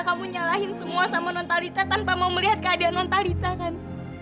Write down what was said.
kamu nyalahin semua sama nontalita tanpa mau melihat keadaan nontalita kan